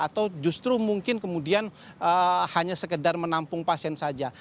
atau justru mungkin kemudian hanya sekedar menampung pasien saja